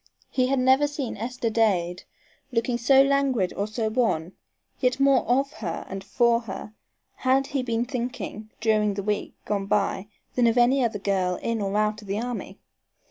He had never seen Esther Dade looking so languid or so wan, yet more of her and for her had he been thinking during the week gone by than of any other girl in or out of the army.